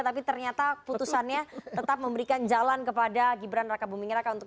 tapi ternyata putusannya tetap memberikan jalan kepada gibran raka buming raka untuk